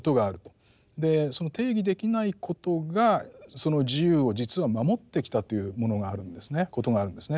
その定義できないことがその自由を実は守ってきたということがあるんですね。